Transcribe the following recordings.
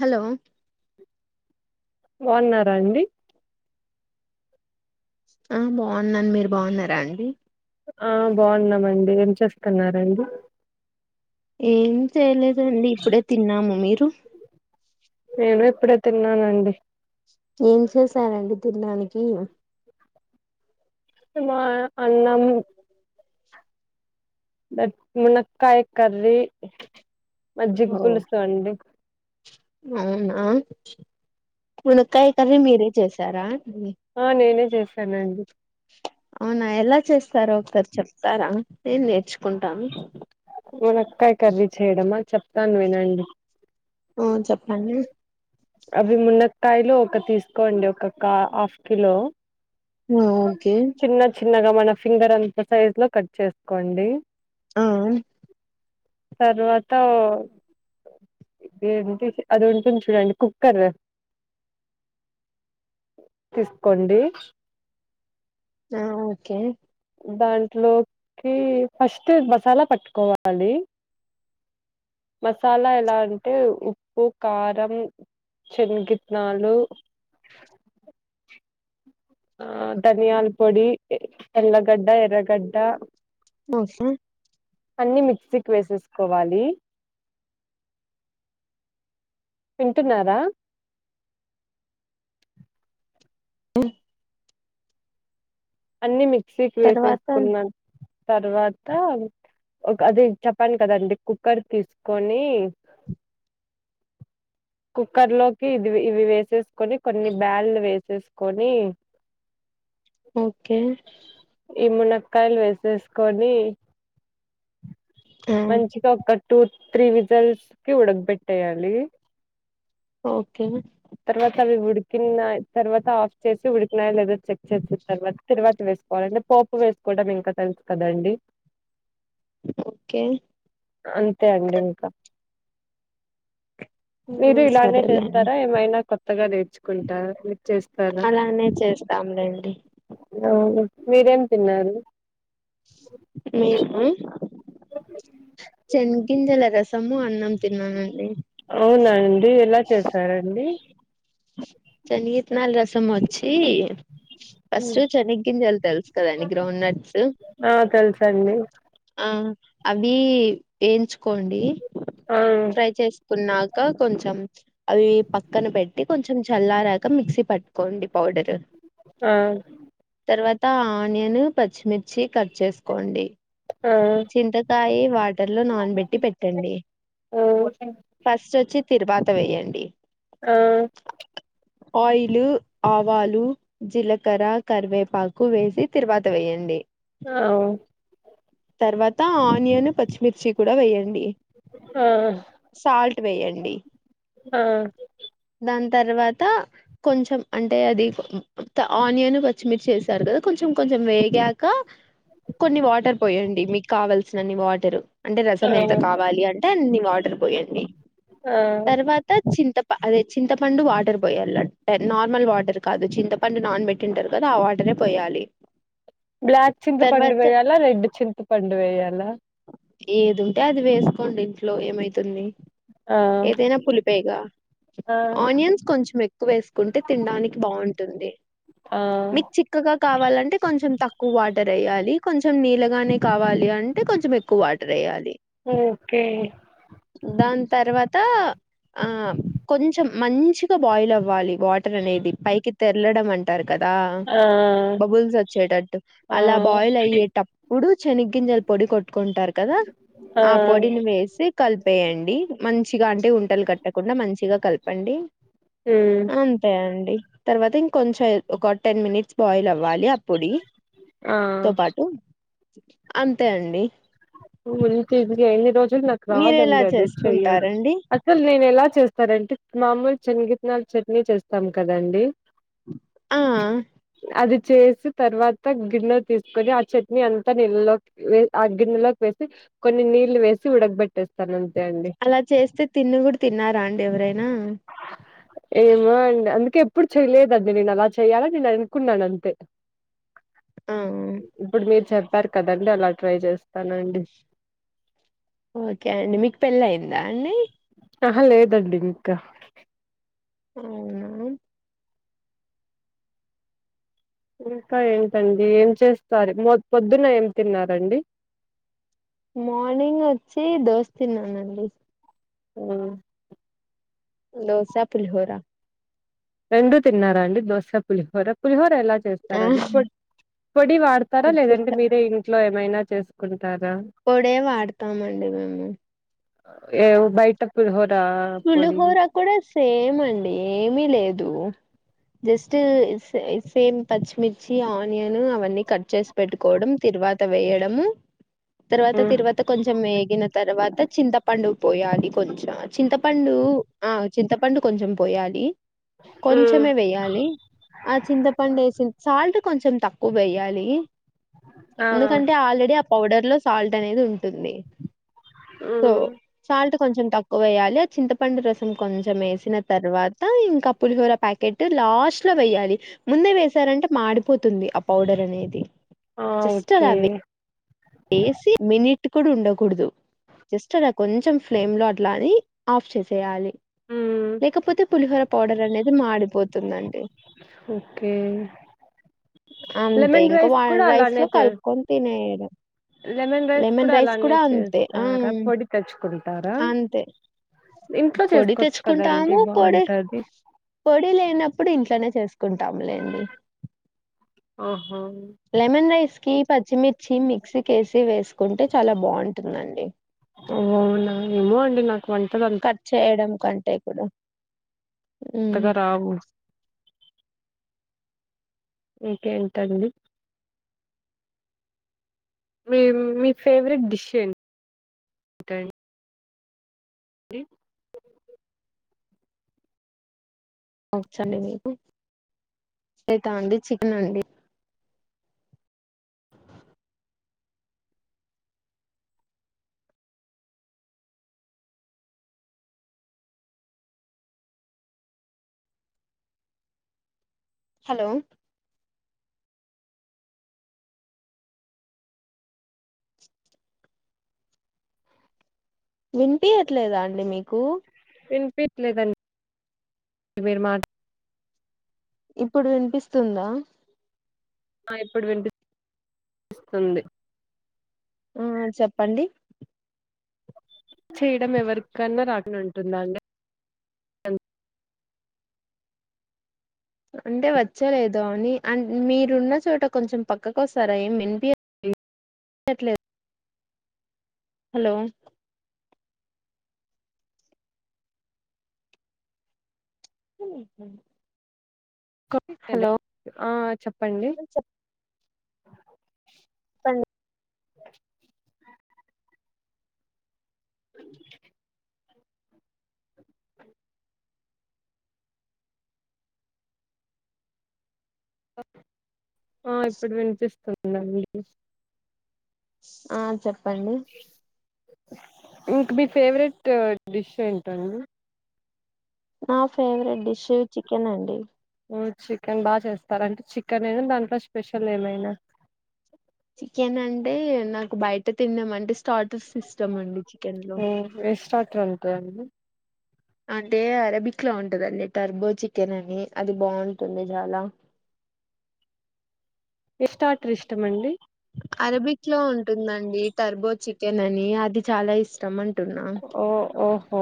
Hello బాగున్నారా అండి ఆ బాగున్నాను మీరు బాగున్నారా అండి ఆ బాగున్నామండి ఏం చేస్తున్నరూ అండి ఏం చేయలేదండి ఇప్పుడే తిన్నాము మీరు నేను ఇప్పుడే తిన్నానండి ఏం చేశారండి తినడానికి సిని మా అన్నం మునకాయి కర్రీ మజ్జిగ ఓ పులుసు అండి అవునా మునకాయి కర్రీ మీరే చేసారా ఆ నేనే చేశానండి అవునా ఎలా చేస్తారో ఒకసారి చెప్తారా నేను నేర్చు మనక్కాయ కర్రీ చేయడమా చెప్తాను వినండి ఆ చెప్పండి అవి మునక్కయలు ఒక తీసుకోండి ఒకక్క హాఫ్ కిలో ఆ ఓకే చిన్న చిన్నగా మన ఫింగర్ అంత సైజ్ లో కట్ చేసుకోండి ఆ తర్వాత ఏంటి అది ఉంటుంది చూడండి కుక్కర్ తీసుకోండి ఆ ఓకే దాంట్లోకి ఫస్ట్ మసాలా పట్టుకోవాలి మసాలా ఎలా అంటే ఉప్పు కారం చెన్నగితనాలు ఆ ధనియాల పొడి ఎల్లగడ్డ ఎర్రగడ్డ బోసు అన్ని మిక్సీకి వేసేసుకోవాలి వింటున్నారా అన్ని మిక్సీకి తర్వాత వేసేసుకున్నా తర్వాత అది చెప్పను కదండి కుక్కర్ తీసుకొని కుక్కర్ లోకి ఇది ఇవి వేసేసుకొని కొన్ని బ్యాల్లు వేసేసుకొని ఓకే ఈ మునక్కాయలు వేసేసుకొని ఆ మంచిగా ఒక టూత్ త్రి విజల్స్ కి ఉడగబెట్టేయాలి ఓకే తర్వాతవి ఉడి కిన తర్వాత ఆఫ్ చేసి ఉడికినాయా లేదో చెక్ చేసిన తర్వాత తిరువాత వేస్ సుకోవాలంటే పోపు వేసుకోవటడం ఇంకా తెలుసు కదండి ఓకే అంతే అండి ఇంకా ఆ మీరు ఇలానే సరేలేండి చేస్తారా ఏమైనా కొత్తగా నేర్చుకుంటారా మీ చేస్తారా అలానే చేస్తాంలేండి అ మీరేం తిన్నారు మీమా చెనీగ్ గింజల రస త్తము అన్నం తిన్నానండి అవునా అండి ఎలా చేసారండి చెనిగిత్తనల రసం వచ్చి ఫస్ట్ చనీగ్ గింజలు తెలుసు కదా అండి గ్రౌండ్ నట్స్ సండి ఉమ్ అవి వేయించుకోండి ఆ కున్నాక కొంచెం అవి పక్కన పెట్టి కొంచెం చల్లారాక మిక్సీ పట్ కొడి పౌడర్ ఆ తవాత్ త్త ఆనియన్ పచ్చిమిర్చి కట్ చేసుకోండి ఆ చింతకాయ వాటర్ లో నానబెట్టి పెట్టండి ఆ ఆ ఫస్ట్ ఓచ్చి తిరుమాత వేయండి ఆ ఆయిల్ ఆవాలు జీలకర్ర కరివేపాకు వేసి తీరువాత వేయండి అవు తర్వాత ఆనియన్ పచ్చిమిర్చి కూడా వేయండి సాల్ట్ వేయండి ఆ దాని తర్వాత కొంచెం అంటే అది ఆనియన్ పచ్చిమిర్చి చేసారు కదా కొంచెం కొం చెం వేగాక కొన్ని వాటర్ పోయండి మీకు కావల్సినన్ని వాటరు అంటే ఆ రసం ఎంత కావాలి అంటే అన్ని వాటర్ పోయండి ఆ ఆ తర్వాత చింత ప అదే చింతపండు వాటర్ పోయాలి నార్మల్ వాటర్ కాదు చింతపండు నాన్ పెట్టింటారు కదా ఆ వాటర్ రే పోయాలి బ్లాక్ చింతపండు తర్వాత వేయాలా రెడ్ చింత పండు వేయాలా ఏది ఉంటే అది వేసుకోండి ఇంట్లో ఏమైతుంది ఆ ఏదైనా పులుపేగా ఆ ఆనియన్స్ కొంచెం ఎక్కువ వేసుకుంటే తినడానికి బాఉంటుంది ఆ మీకు చిక్కగా కావాలంటే కొంచెం తక్కువ వాటర్ ఏయ్యాలి కొంచెం నీళ్ళగానే కావాలి అంటే కొంచెం ఎక్కువ వాటర్ వేయ్యాలి ఓకే దాని తర్వాత ఆ కొంచెం మంచిగా బాయిల్ అవ్వాలి వాటర్ అనేది పైకి తెర్లడం అంటారు కదా ఆ బబుల్స్ వచ్చేటట్టు ఆ అలా బాయిల్ అయ్యేటప్పుడు శనీగ గంజల్ పొడి కొట్టుంటారు కదా ఆ పొడిని వేసి కలిపేయండి మంచిగా అంటే ఉండలు కట్టకుండా మంచిగా కలిప్ చెప్పండి ఉమ్ అంతే అండి తర్వాత ఇంకొంచెం ఏ ఒక టెన్ మినిట్స్ బాయిల్ అవ్వాలి ఆ పొడి ఆ తో పాటు అంతే అండి ఇంతిసిగా ఇన్ని రోజులు నాకు మీరు ఎలా రాదండి అది చెయ్యడు చేసుకుంటారండి అసలు నేను ఎలా చేస్తారంటే మామూలు చెన్నగితనాలు చట్నీ చేస్తాం కదండి ఆ అది చేసి తర్వాత గిన్నె తీసుకొని ఆ చట్నీ అంతా నీలలోకి వేస్ ఆ గిన్నెలో వేసి కొన్ని నీళ్లు వేసి ఉడకబెట్టేస్తానన్ అలా చేస్తే తిన్న కూడా తిన్నారా అండి ఎవరైనా ఏమో అండి అందుకే ఎప్పుడు చెయ్యలేదండి నేను అలా చెయ్యాలని నేను అనుకున్నాను అంతే. ఆ ఇప్పుడు మీరు చెప్పారు కదండి అలా ట్రై చేస్త్ స్తాను అండి ఓకే అండి మీకు పెళ్ళై అయిందా అండి. ఆహా లేదండి ఇంకా. అవునా ఇంకా ఏంటండి ఏం చేస్తారు మొద్ పొద్దున్నా ఏం తిన్నారండి. మార్నింగ్ వచ్చీ దోశ తిన్నానండి. ఆ దోశా, పులిహోరా. రెండూ తిన్నార అండి దోశా, పులిహోర పులిహోర్ రా ఎలా ఆ చేస్తారండి పొడ్ పొడి వాడుతారా లేదంటే ఉప్పిట మీరే ఇంట్లో ఏమైనా చేసుకుంట్ పొడే వాడతామండి మేము. ఏవ్ బయట పులిహోర్ పులిహోరా కూడా సేమ్ అండీ ఏమీ లేదూ. జస్టూ సె సేమ్ పచ్చిమిర్చి, ఆనియనూ అవన్నీ కట్ చేసి పెట్టుకోవడం తిరువాత్ తా వెయ్యడము. తర్వాత హ్మ్. తిరువాత కొంచెం వేగిన తర్వాత చింతపండు పొయ్యాలి కొంచెం చింత పండూ ఆ చింతపండు కొంచెం పొయ్యాలి. హ్మ్. కొంచెమే వెయ్యాలి ఆ చింతపండు ఏసిన్ సాల్ట్ కొంచెం తక్కువ్ వెయ్యాలీ ఆ ఎందుకంటే ఆల్రెడీ ఆ పౌడర్ లో సాల్ట్ అనేది ఉంటుంది. సో హ్మ్. సాల్ట్ కొంచెం తక్కువ వెయ్యాలి. చింతపండు రసం కొంచెం ఏసిన తర్వాతా ఇంకా పులిహోర ప్యాకెట్ లాస్ట్లో వెయ్యాలి. ముందే వేసారంటే మాడిపోతుంది ఆ పౌడర్ అనేది. ఆ ఓకే ఏసి మినిట్ కూడ ఉండకూడదు. జస్ట్ అలా కొంచెం ఫ్లేమ్ లో అట్లా అనీ ఆఫ్ చేసేయాలి. హ్మ్. లేకపోతే పులిహోర పౌడర్ అనేది మాడిపోతుందండి. ఓకే అంతే లెమన్ ఇంకా రైస్ వా కూడా రైస్ అలానే లో చే కల్పుకొన్ తినేయి లెమన్ లెమెన్ రైస్ అలానే కూడా అంతే ఆ చేస్తారా పొడి తెచ్చుకుంటారా అంతే. ఇంట్లో పొడి చేసుకోవచ్చు కదండి తెచ్చుకుంటాము పొడి బాగుంటది పొడి లేనప్పుడు ఇంట్లోనే చేసుకుంటాములేండి. ఆహా లెమెన్ రైస్ కీ పచ్చిమిర్చి మిక్సీ కేసి వేసుకుంటే చాలా బాగుంటుందండి. ఓ అవునా ఏమో అండి నాకు వంటల్ అవి కట్ చేయడం కంటే కూడా హ్మ్. అంతగా రావు ఇంకేంటండి మీ మీ ఫేవరెట్ డిష్ ఏం [inaudible] టం [inaudible] డి వచ్చా అండి మీకు [inaudible] రెట్టా అండి చికెన్ అండి. హలో వినిపీయట్లేదా అండి మీకూ వినిపీయట్లేదం [inaudible] మీరు మాట్ [inaudible] ఇప్పుడు వినిపిస్తుందా ఆ ఇప్పుడు విన్ పిస్తుంది ఆ చెప్పండి చేయడం ఎవరికన్నా రాకుడా ఉంటుందా అండి అంటే వచ్చలేదు అని అ మీరున్న చోట కొంచెం పక్కకు వస్తారా ఏమ్ వి ఏ లేదు హలో హలో! ఆ చెప్పండి చెప్పండి అ ఆ ఇప్పుడు వినిపిస్తుందండి ఆ చెప్పండి ఇంక మీ ఫేవరెట్ డిష్ ఏంటండి నా ఫేవరెట్ డిష్ చికెన్ అండి చికెన్ బాగా చేస్తార అంటే చికెన్ అనా దాంట్లో స్పెషల్ ఏమైనా చికెన్ అంటే నాకు బయట తిన్నామనడము అంటే స్టార్టర్ ఇస్టమ్ అండి చికెన్ లో డ అంటే అరబిక్లా ఉంటుదండి టర్బో చికెన్ అని అది బాగుంటుంది చాలా ఎ స్టర్టర్ ఇష్టమండి అరబిక్ లో ఉంటుందండి టర్బో చికెన్ అని అది చాలా ఇష్టం అంటే ఓ ఓహో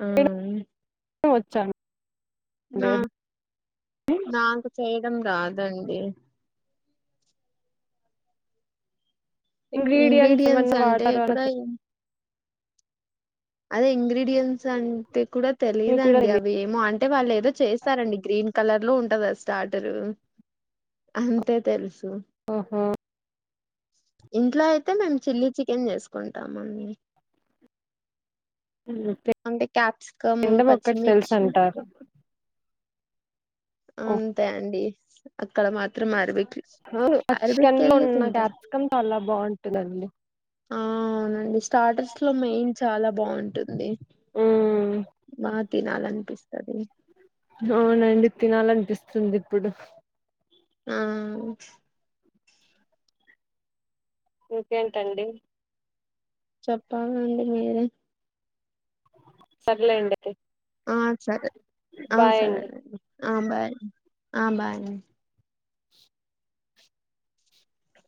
ఆ వచ్చా మీ నా నాకు చేయడం రాదండి ఇంగ్రీడియయంట్స్ ఏమన్న ఇంగ్రీడియంట్స్ అంటే వాటర్ అలా కూడా అదే ఇంగ్రీడియయంన్ట్స్ అంటే కూడా మీకు కూడా తెలిదుండి తెలిదు అవి ఏమో అంటే వాళ్ళు ఏదో చేస్తారండి గ్రీన్ కలర్ లో ఉంటంది స్టటరు అంతే తెలుసు ఆహా ఇంట్లో అయితే మేము చిల్లీ చికెన్ చేసుకుంటామండి అంటే క్యాప్సికమ్ తినడం ఒక్కటి తెలుసు పచ్చిమిర్చి అంటారు అంతే అండి అక్కడ మాత్రము చికెన్ లో ఉన్న క్యాప్సికమ్ చాలా బాగుంటుందండి ఆ అవునండి స్టార్టర్స్ లో మెయిన్ చాలా బాగుంటుంది ఉమ్ బా తినాలనిపిస్తది అవునండి తినాలనిపిస్తుంది ఇప్పుడు ఆ ఇంకేంటండి చెప్పాలండి మీరే సర్లే ఆ సరే ఆ బాయ్ అండి సరేనండి ఆ బాయ్ ఆ బాయ్